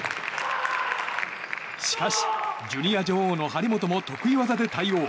しかし、ジュニア女王の張本も得意技で対応。